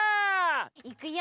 いくよ！